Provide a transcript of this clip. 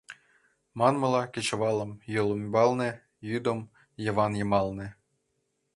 Манмыла, кечывалым — йол ӱмбалне, йӱдым — Йыван йымалне.